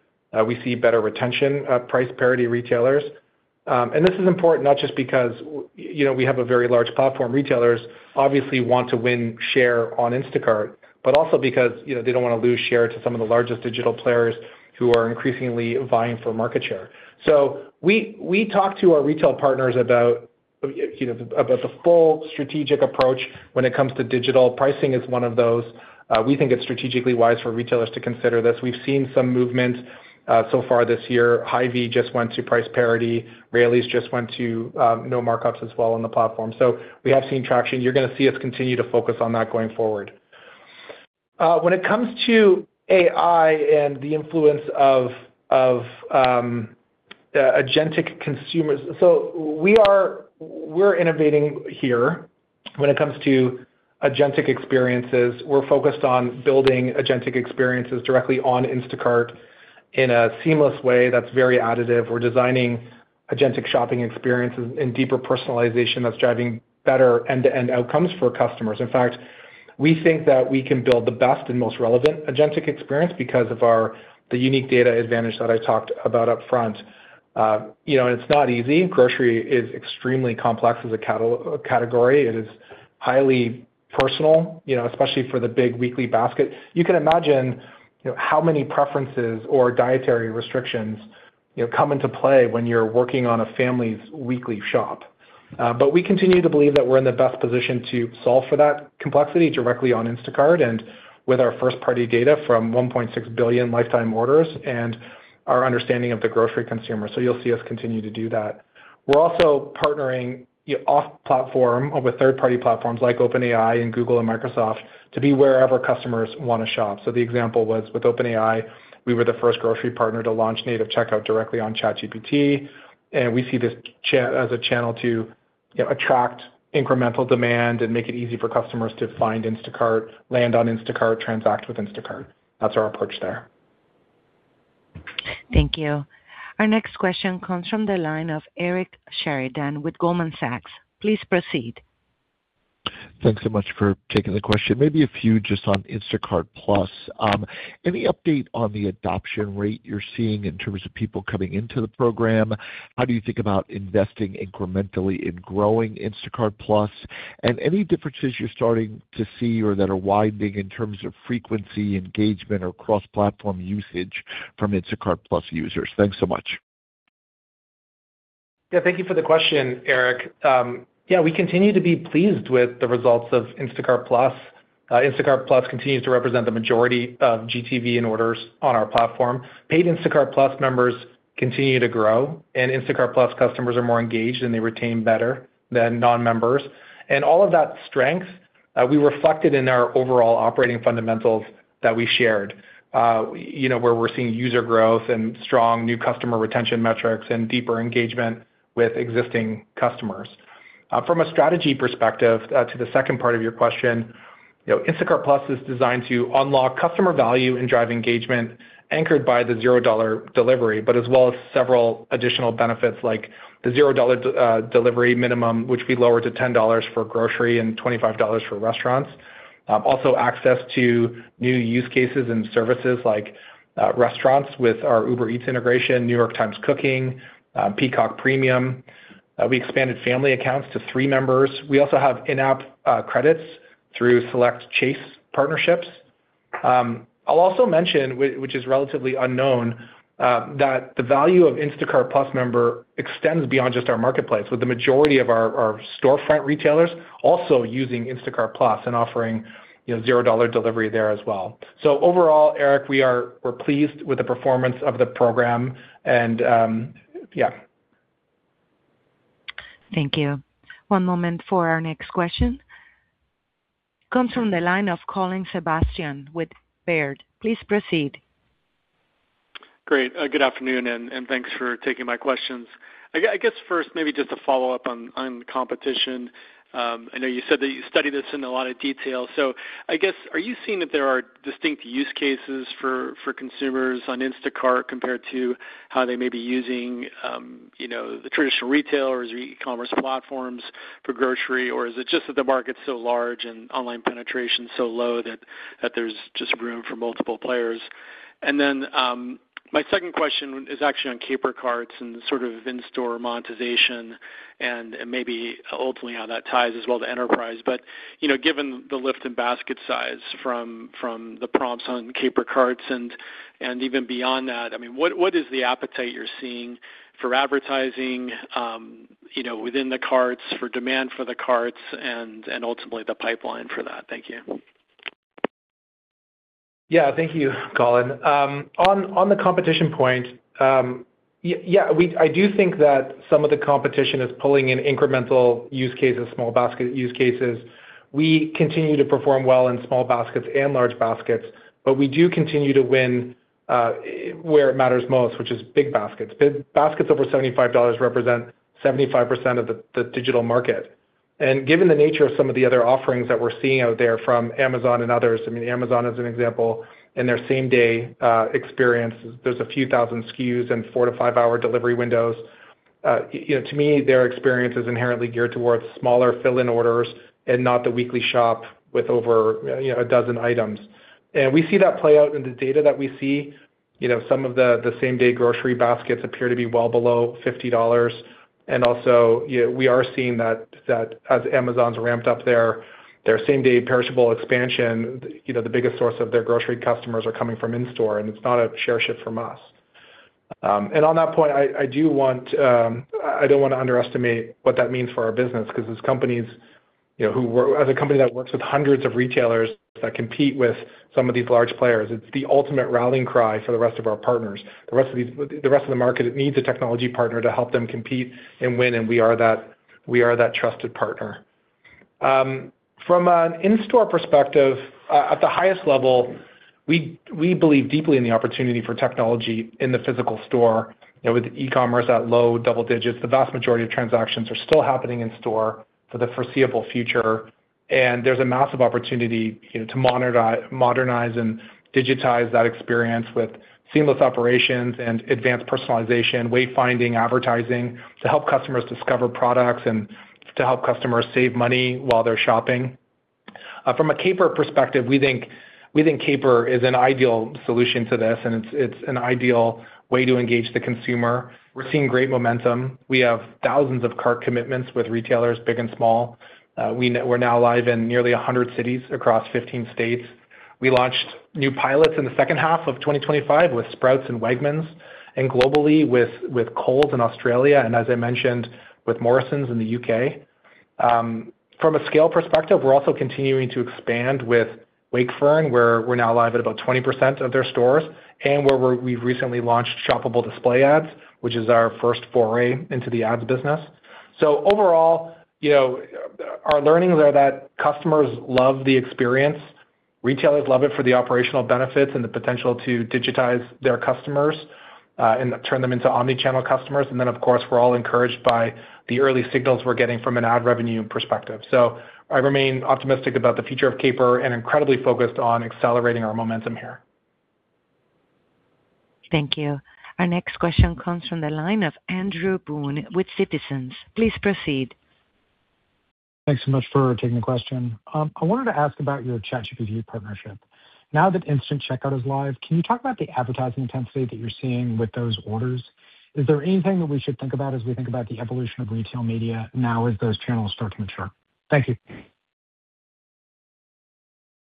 We see better retention of price parity retailers. And this is important not just because, you know, we have a very large platform. Retailers obviously want to win share on Instacart, but also because, you know, they don't want to lose share to some of the largest digital players who are increasingly vying for market share. So we talk to our retail partners about, you know, the full strategic approach when it comes to digital. Pricing is one of those. We think it's strategically wise for retailers to consider this. We've seen some movement so far this year. Hy-Vee just went to price parity. Raley's just went to no markups as well on the platform. So we have seen traction. You're gonna see us continue to focus on that going forward. When it comes to AI and the influence of agentic consumers. So we are—we're innovating here when it comes to agentic experiences. We're focused on building agentic experiences directly on Instacart in a seamless way that's very additive. We're designing agentic shopping experiences and deeper personalization that's driving better end-to-end outcomes for customers. In fact, we think that we can build the best and most relevant agentic experience because of our the unique data advantage that I talked about upfront. You know, and it's not easy. Grocery is extremely complex as a category. It is highly personal, you know, especially for the big weekly basket. You can imagine, you know, how many preferences or dietary restrictions, you know, come into play when you're working on a family's weekly shop. But we continue to believe that we're in the best position to solve for that complexity directly on Instacart and with our first-party data from 1.6 billion lifetime orders and our understanding of the grocery consumer. So you'll see us continue to do that. We're also partnering off-platform with third-party platforms like OpenAI and Google and Microsoft to be wherever customers want to shop. So the example was, with OpenAI, we were the first grocery partner to launch native checkout directly on ChatGPT, and we see this as a channel to attract incremental demand and make it easy for customers to find Instacart, land on Instacart, transact with Instacart. That's our approach there. Thank you. Our next question comes from the line of Eric Sheridan with Goldman Sachs. Please proceed. Thanks so much for taking the question. Maybe a few just on Instacart+. Any update on the adoption rate you're seeing in terms of people coming into the program? How do you think about investing incrementally in growing Instacart+? And any differences you're starting to see or that are widening in terms of frequency, engagement, or cross-platform usage from Instacart+ users? Thanks so much. Yeah, thank you for the question, Eric. Yeah, we continue to be pleased with the results of Instacart+. Instacart+ continues to represent the majority of GTV and orders on our platform. Paid Instacart+ members continue to grow, and Instacart+ customers are more engaged, and they retain better than non-members. And all of that strength we reflected in our overall operating fundamentals that we shared, you know, where we're seeing user growth and strong new customer retention metrics and deeper engagement with existing customers. From a strategy perspective, to the second part of your question, you know, Instacart+ is designed to unlock customer value and drive engagement, anchored by the $0 delivery, but as well as several additional benefits, like the $0 delivery minimum, which we lowered to $10 for grocery and $25 for restaurants. Also access to new use cases and services like restaurants with our Uber Eats integration, New York Times Cooking, Peacock Premium. We expanded family accounts to three members. We also have in-app credits through select Chase partnerships. I'll also mention, which is relatively unknown, that the value of Instacart+ member extends beyond just our marketplace, with the majority of our storefront retailers also using Instacart+ and offering, you know, zero dollar delivery there as well. So overall, Eric, we're pleased with the performance of the program, and yeah. Thank you. One moment for our next question. Comes from the line of Colin Sebastian with Baird. Please proceed. Great. Good afternoon, and thanks for taking my questions. I guess first, maybe just to follow up on competition. I know you said that you studied this in a lot of detail, so I guess, are you seeing that there are distinct use cases for consumers on Instacart compared to how they may be using, you know, the traditional retailers or e-commerce platforms for grocery? Or is it just that the market's so large and online penetration so low that there's just room for multiple players? And then, my second question is actually on Caper Carts and sort of in-store monetization and maybe ultimately how that ties as well to enterprise. But, you know, given the lift in basket size from the prompts on Caper Carts and even beyond that, I mean, what is the appetite you're seeing for advertising, you know, within the carts, for demand for the carts and ultimately the pipeline for that? Thank you. Yeah. Thank you, Colin. On the competition point, yeah, we—I do think that some of the competition is pulling in incremental use cases, small basket use cases. We continue to perform well in small baskets and large baskets, but we do continue to win where it matters most, which is big baskets. Baskets over $75 represent 75% of the digital market. And given the nature of some of the other offerings that we're seeing out there from Amazon and others, I mean, Amazon, as an example, in their same-day experience, there's a few thousand SKUs and four to five hour delivery windows. You know, to me, their experience is inherently geared towards smaller fill-in orders and not the weekly shop with over 12 items. And we see that play out in the data that we see. You know, some of the same-day grocery baskets appear to be well below $50. Also, you know, we are seeing that as Amazon's ramped up their same-day perishable expansion, you know, the biggest source of their grocery customers are coming from in-store, and it's not a share shift from us. On that point, I do want... I don't want to underestimate what that means for our business, because as a company that works with hundreds of retailers that compete with some of these large players, it's the ultimate rallying cry for the rest of our partners. The rest of the market, it needs a technology partner to help them compete and win, and we are that, we are that trusted partner. From an in-store perspective, at the highest level, we believe deeply in the opportunity for technology in the physical store. You know, with e-commerce at low double digits, the vast majority of transactions are still happening in store for the foreseeable future, and there's a massive opportunity, you know, to modernize and digitize that experience with seamless operations and advanced personalization, wayfinding, advertising, to help customers discover products and to help customers save money while they're shopping. From a Caper perspective, we think Caper is an ideal solution to this, and it's an ideal way to engage the consumer. We're seeing great momentum. We have thousands of cart commitments with retailers, big and small. We're now live in nearly 100 cities across 15 states. We launched new pilots in the second half of 2025 with Sprouts and Wegmans, and globally with Coles in Australia, and as I mentioned, with Morrisons in the U.K. From a scale perspective, we're also continuing to expand with Wakefern, where we're now live at about 20% of their stores, and where we've recently launched shoppable display ads, which is our first foray into the ads business. So overall, you know, our learnings are that customers love the experience. Retailers love it for the operational benefits and the potential to digitize their customers, and turn them into omni-channel customers. And then, of course, we're all encouraged by the early signals we're getting from an ad revenue perspective. So I remain optimistic about the future of Caper and incredibly focused on accelerating our momentum here. Thank you. Our next question comes from the line of Andrew Boone with Citizens. Please proceed. Thanks so much for taking the question. I wanted to ask about your ChatGPT partnership. Now that instant checkout is live, can you talk about the advertising intensity that you're seeing with those orders? Is there anything that we should think about as we think about the evolution of retail media now as those channels start to mature? Thank you.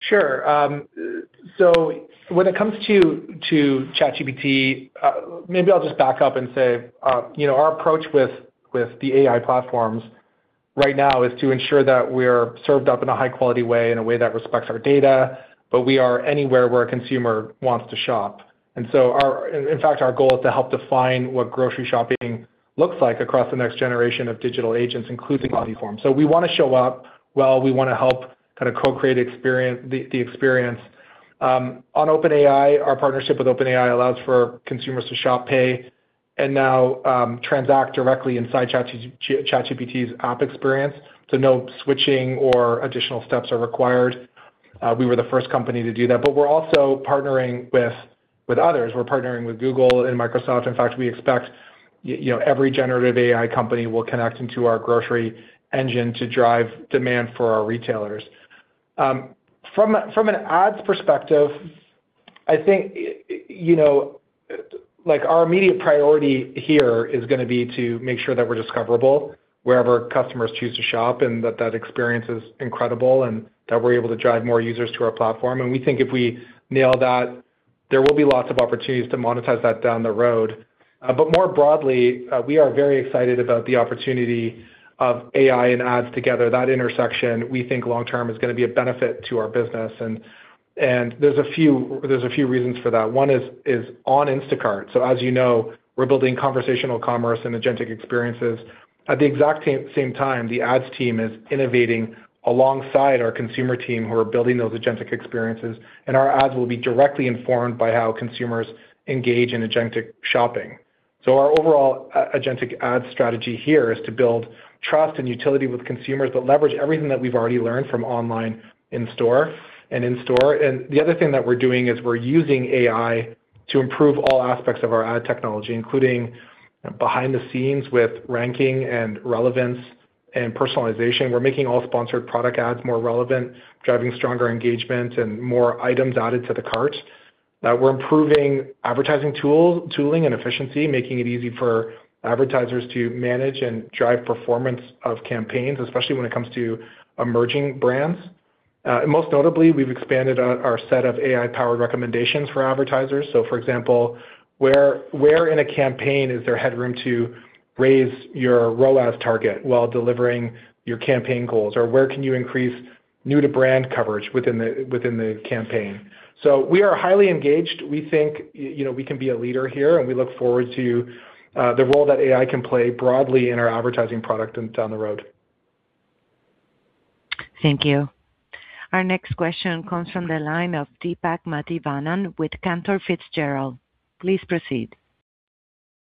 Sure. So when it comes to ChatGPT, maybe I'll just back up and say, you know, our approach with the AI platforms right now is to ensure that we're served up in a high-quality way, in a way that respects our data, but we are anywhere where a consumer wants to shop. So our, in fact, our goal is to help define what grocery shopping looks like across the next generation of digital agents, including omniform. So we want to show up well, we want to help kind of co-create the experience. On OpenAI, our partnership with OpenAI allows for consumers to shop, pay, and now transact directly inside ChatGPT's app experience, so no switching or additional steps are required. We were the first company to do that, but we're also partnering with others. We're partnering with Google and Microsoft. In fact, we expect, you know, every generative AI company will connect into our grocery engine to drive demand for our retailers. From an ads perspective, I think, you know, like, our immediate priority here is going to be to make sure that we're discoverable wherever customers choose to shop, and that that experience is incredible, and that we're able to drive more users to our platform. And we think if we nail that, there will be lots of opportunities to monetize that down the road. But more broadly, we are very excited about the opportunity of AI and ads together. That intersection, we think long term, is going to be a benefit to our business, and there's a few reasons for that. One is on Instacart. So, as you know, we're building conversational commerce and agentic experiences. At the exact same time, the ads team is innovating alongside our consumer team, who are building those agentic experiences, and our ads will be directly informed by how consumers engage in agentic shopping. Our overall agentic ad strategy here is to build trust and utility with consumers that leverage everything that we've already learned from online, in-store, and in-store. The other thing that we're doing is we're using AI to improve all aspects of our ad technology, including behind the scenes with ranking and relevance and personalization. We're making all sponsored product ads more relevant, driving stronger engagement and more items added to the cart. We're improving advertising tooling and efficiency, making it easy for advertisers to manage and drive performance of campaigns, especially when it comes to emerging brands. and most notably, we've expanded on our set of AI-powered recommendations for advertisers. So, for example, where in a campaign is there headroom to raise your ROAS target while delivering your campaign goals? Or where can you increase new-to-brand coverage within the campaign? So we are highly engaged. We think, you know, we can be a leader here, and we look forward to the role that AI can play broadly in our advertising product and down the road. Thank you. Our next question comes from the line of Deepak Mathivanan with Cantor Fitzgerald. Please proceed.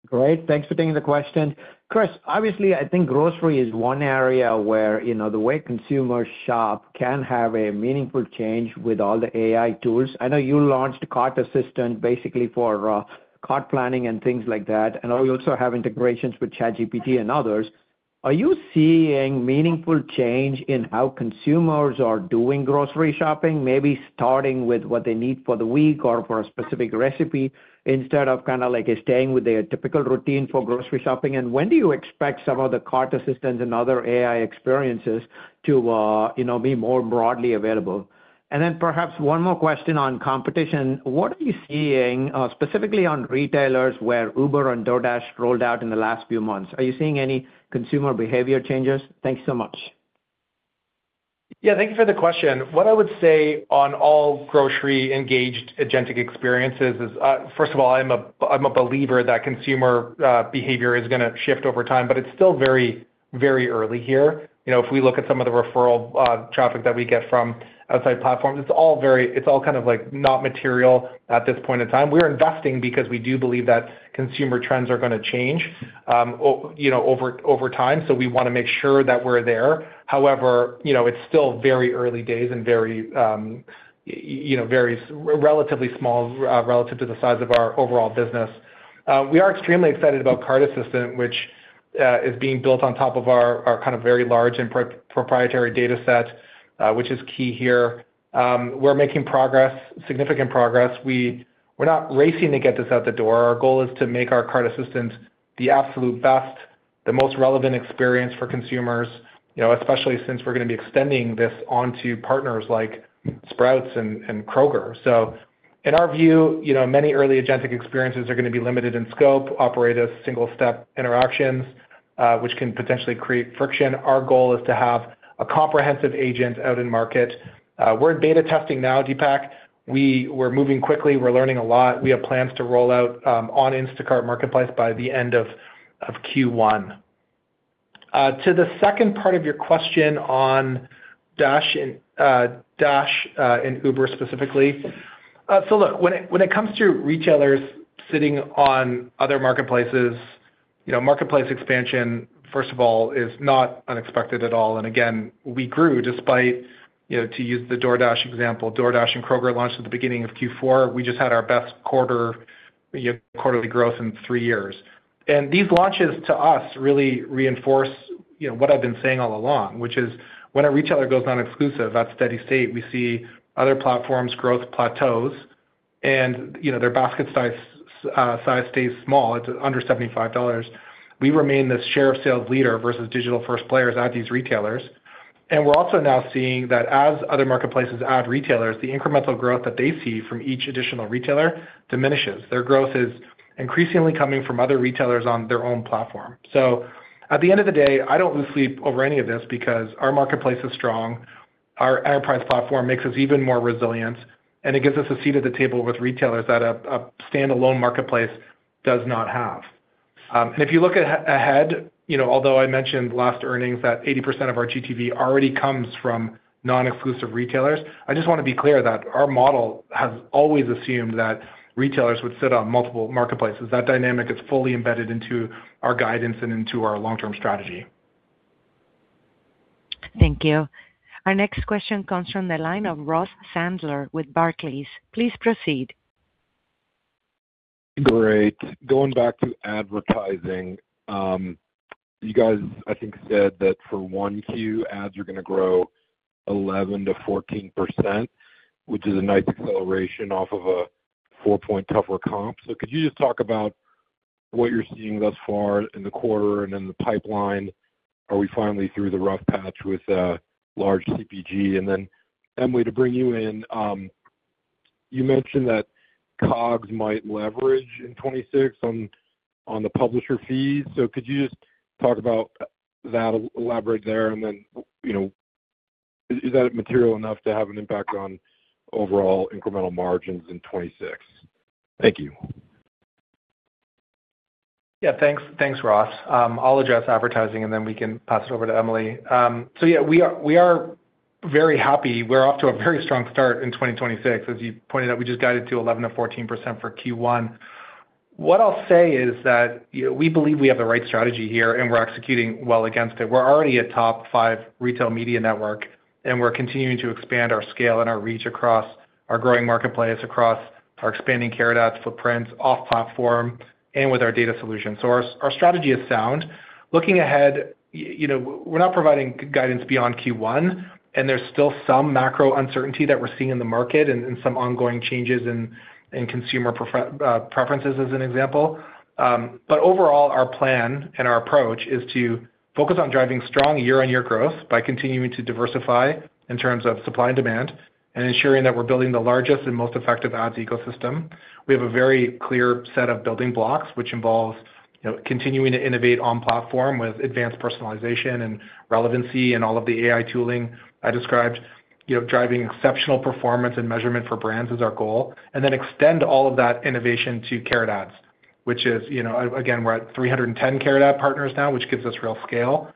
Great, thanks for taking the question. Chris, obviously, I think grocery is one area where, you know, the way consumers shop can have a meaningful change with all the AI tools. I know you launched Cart Assistant, basically for cart planning and things like that, and I know you also have integrations with ChatGPT and others. Are you seeing meaningful change in how consumers are doing grocery shopping, maybe starting with what they need for the week or for a specific recipe, instead of kind of like staying with their typical routine for grocery shopping? And when do you expect some of the cart assistants and other AI experiences to, you know, be more broadly available? And then perhaps one more question on competition: What are you seeing specifically on retailers where Uber and DoorDash rolled out in the last few months? Are you seeing any consumer behavior changes? Thanks so much. Yeah, thank you for the question. What I would say on all grocery-engaged agentic experiences is, first of all, I'm a believer that consumer behavior is going to shift over time, but it's still very, very early here. You know, if we look at some of the referral traffic that we get from outside platforms, it's all kind of like, not material at this point in time. We're investing because we do believe that consumer trends are going to change, you know, over time, so we want to make sure that we're there. However, you know, it's still very early days and very, you know, very small, relatively small, relative to the size of our overall business. We are extremely excited about Cart Assistant, which is being built on top of our kind of very large and proprietary data set, which is key here. We're making progress, significant progress. We're not racing to get this out the door. Our goal is to make our Cart Assistant the absolute best, the most relevant experience for consumers, you know, especially since we're going to be extending this onto partners like Sprouts and Kroger. So in our view, you know, many early agentic experiences are going to be limited in scope, operate as single-step interactions, which can potentially create friction. Our goal is to have a comprehensive agent out in market. We're in beta testing now, Deepak. We're moving quickly. We're learning a lot. We have plans to roll out on Instacart Marketplace by the end of Q1. To the second part of your question on DoorDash and Uber specifically. So look, when it comes to retailers sitting on other marketplaces, you know, marketplace expansion, first of all, is not unexpected at all. And again, we grew despite, you know, to use the DoorDash example, DoorDash and Kroger launched at the beginning of Q4. We just had our best quarterly growth in three years. And these launches to us really reinforce, you know, what I've been saying all along, which is when a retailer goes non-exclusive, at steady state, we see other platforms growth plateaus and, you know, their basket size stays small, it's under $75. We remain the share of sales leader versus digital-first players at these retailers. And we're also now seeing that as other marketplaces add retailers, the incremental growth that they see from each additional retailer diminishes. Their growth is increasingly coming from other retailers on their own platform. So at the end of the day, I don't lose sleep over any of this because our marketplace is strong, our enterprise platform makes us even more resilient, and it gives us a seat at the table with retailers that a standalone marketplace does not have. And if you look ahead, you know, although I mentioned last earnings that 80% of our GTV already comes from non-exclusive retailers, I just want to be clear that our model has always assumed that retailers would sit on multiple marketplaces. That dynamic is fully embedded into our guidance and into our long-term strategy. Thank you. Our next question comes from the line of Ross Sandler with Barclays. Please proceed. Great. Going back to advertising, you guys, I think, said that for 1Q, ads are going to grow 11%-14%, which is a nice acceleration off of a four point tougher comp. So could you just talk about what you're seeing thus far in the quarter and in the pipeline? Are we finally through the rough patch with large CPG? And then, Emily, to bring you in, you mentioned that COGS might leverage in 2026 on the publisher fees. So could you just talk about that, elaborate there? And then, you know, is that material enough to have an impact on overall incremental margins in 2026? Thank you. Yeah, thanks. Thanks, Ross. I'll address advertising and then we can pass it over to Emily. So yeah, we are very happy. We're off to a very strong start in 2026. As you pointed out, we just guided to 11%-14% for Q1. What I'll say is that, you know, we believe we have the right strategy here, and we're executing well against it. We're already a top five retail media network, and we're continuing to expand our scale and our reach across our growing marketplace, across our expanding Carrot Ads footprints, off platform, and with our data solution. So our strategy is sound. Looking ahead, you know, we're not providing guidance beyond Q1, and there's still some macro uncertainty that we're seeing in the market and some ongoing changes in consumer preferences, as an example. But overall, our plan and our approach is to focus on driving strong year-on-year growth by continuing to diversify in terms of supply and demand, and ensuring that we're building the largest and most effective ads ecosystem. We have a very clear set of building blocks, which involves, you know, continuing to innovate on platform with advanced personalization and relevancy and all of the AI tooling I described. You know, driving exceptional performance and measurement for brands is our goal, and then extend all of that innovation to Carrot Ads, which is, you know, again, we're at 310 Carrot Ads partners now, which gives us real scale,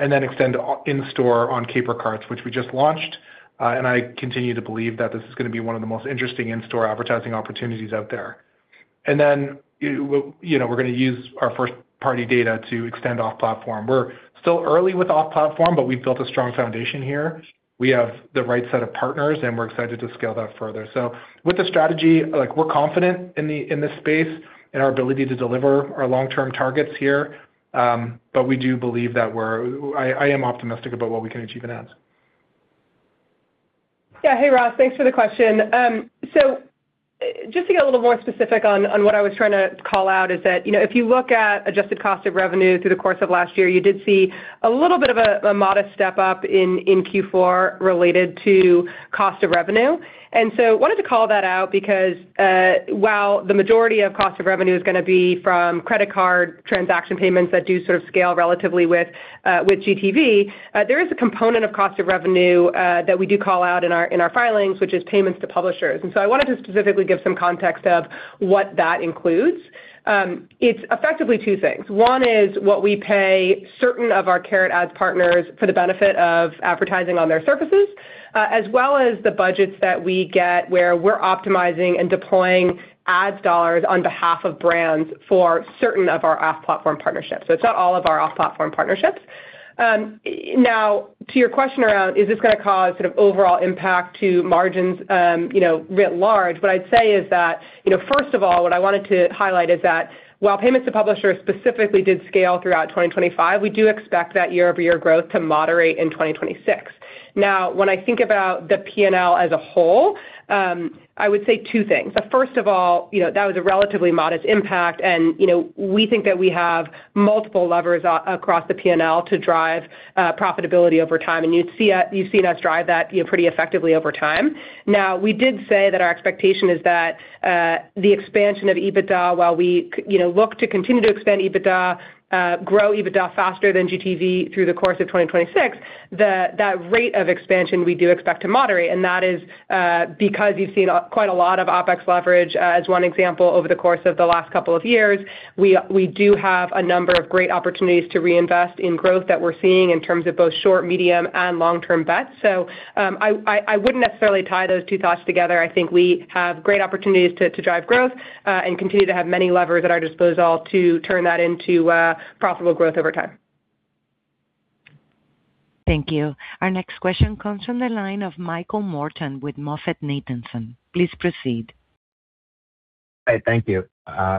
and then extend in store on Caper Carts, which we just launched. And I continue to believe that this is going to be one of the most interesting in-store advertising opportunities out there. And then, you know, we're going to use our first-party data to extend off platform. We're still early with off platform, but we've built a strong foundation here. We have the right set of partners, and we're excited to scale that further. So with the strategy, like, we're confident in the, in this space and our ability to deliver our long-term targets here, but we do believe that I am optimistic about what we can achieve in ads. Yeah. Hey, Ross, thanks for the question. So just to get a little more specific on what I was trying to call out is that, you know, if you look at adjusted cost of revenue through the course of last year, you did see a little bit of a modest step up in Q4 related to cost of revenue. And so wanted to call that out because, while the majority of cost of revenue is going to be from credit card transaction payments that do sort of scale relatively with GTV, there is a component of cost of revenue that we do call out in our filings, which is payments to publishers. And so I wanted to specifically give some context of what that includes. It's effectively two things. One is what we pay certain of our Carrot Ads partners for the benefit of advertising on their surfaces, as well as the budgets that we get, where we're optimizing and deploying ads dollars on behalf of brands for certain of our off-platform partnerships. So it's not all of our off-platform partnerships. Now, to your question around, is this going to cause sort of overall impact to margins, you know, writ large? What I'd say is that, you know, first of all, what I wanted to highlight is that while payments to publishers specifically did scale throughout 2025, we do expect that year-over-year growth to moderate in 2026. Now, when I think about the P&L as a whole, I would say two things. First of all, you know, that was a relatively modest impact, and, you know, we think that we have multiple levers across the P&L to drive profitability over time, and you'd see us-- you've seen us drive that, you know, pretty effectively over time. Now, we did say that our expectation is that the expansion of EBITDA, while we, you know, look to continue to expand EBITDA, grow EBITDA faster than GTV through the course of 2026, that rate of expansion we do expect to moderate, and that is because you've seen quite a lot of OpEx leverage as one example, over the course of the last couple of years. We do have a number of great opportunities to reinvest in growth that we're seeing in terms of both short, medium, and long-term bets. I wouldn't necessarily tie those two thoughts together. I think we have great opportunities to drive growth and continue to have many levers at our disposal to turn that into profitable growth over time. Thank you. Our next question comes from the line of Michael Morton with MoffettNathanson. Please proceed. Hi, thank you.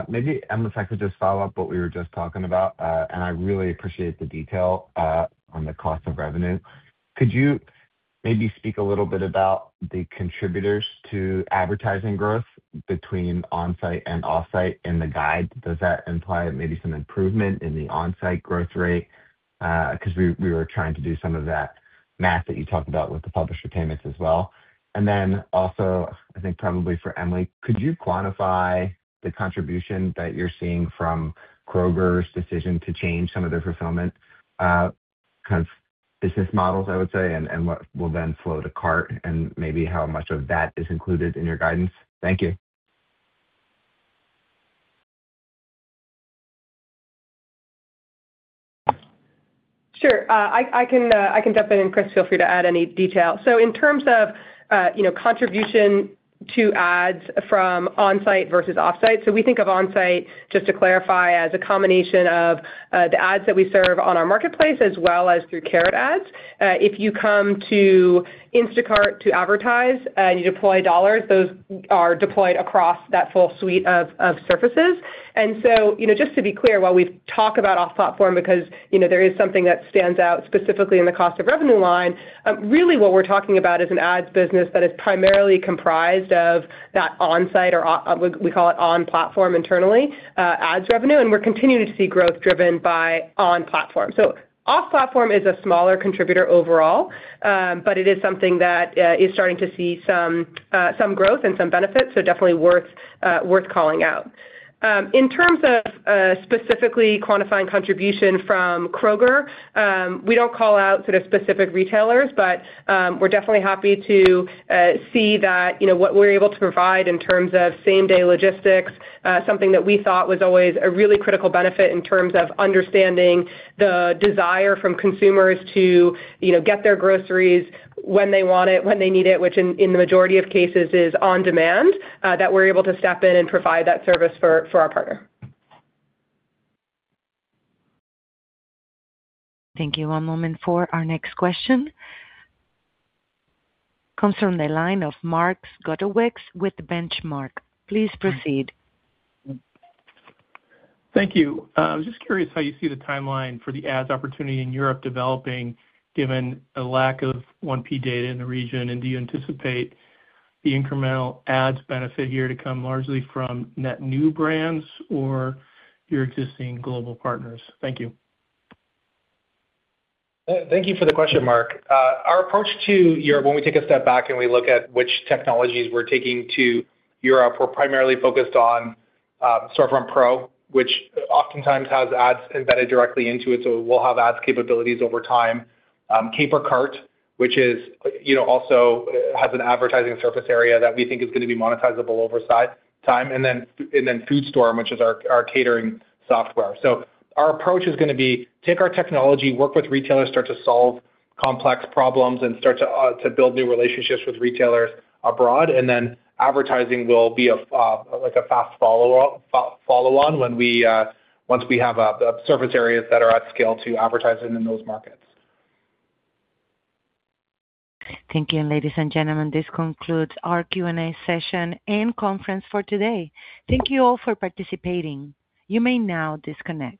Maybe, Emily, if I could just follow up what we were just talking about, and I really appreciate the detail on the cost of revenue. Could you maybe speak a little bit about the contributors to advertising growth between on-site and off-site in the guide? Does that imply maybe some improvement in the on-site growth rate? Because we were trying to do some of that math that you talked about with the publisher payments as well. And then also, I think probably for Emily, could you quantify the contribution that you're seeing from Kroger's decision to change some of their fulfillment kind of business models, I would say, and what will then flow to cart, and maybe how much of that is included in your guidance? Thank you. Sure. I can jump in, and, Chris, feel free to add any detail. So in terms of, you know, contribution to ads from on-site versus off-site. So we think of on-site, just to clarify, as a combination of, the ads that we serve on our marketplace as well as through Carrot Ads. If you come to Instacart to advertise and you deploy dollars, those are deployed across that full suite of services. And so, you know, just to be clear, while we talk about off platform, because, you know, there is something that stands out specifically in the cost of revenue line. Really, what we're talking about is an ads business that is primarily comprised of that on-site, or we call it on-platform internally, ads revenue, and we're continuing to see growth driven by on-platform. So off-platform is a smaller contributor overall, but it is something that is starting to see some growth and some benefits, so definitely worth calling out. In terms of specifically quantifying contribution from Kroger, we don't call out sort of specific retailers, but we're definitely happy to see that, you know, what we're able to provide in terms of same-day logistics, something that we thought was always a really critical benefit in terms of understanding the desire from consumers to, you know, get their groceries when they want it, when they need it, which in the majority of cases is on demand, that we're able to step in and provide that service for our partner. Thank you. One moment for our next question. Comes from the line of Mark Zgutowicz with Benchmark. Please proceed. Thank you. I'm just curious how you see the timeline for the ads opportunity in Europe developing, given a lack of 1P data in the region, and do you anticipate the incremental ads benefit here to come largely from net new brands or your existing global partners? Thank you. Thank you for the question, Mark. Our approach to Europe, when we take a step back and we look at which technologies we're taking to Europe, we're primarily focused on Storefront Pro, which oftentimes has ads embedded directly into it, so we'll have ads capabilities over time. Caper Cart, which is, you know, also has an advertising surface area that we think is going to be monetizable over time, and then FoodStorm, which is our catering software. So our approach is gonna be take our technology, work with retailers, start to solve complex problems and start to build new relationships with retailers abroad, and then advertising will be a, like a fast follow-up, follow on when we once we have the service areas that are at scale to advertise it in those markets. Thank you. Ladies and gentlemen, this concludes our Q&A session and conference for today. Thank you all for participating. You may now disconnect.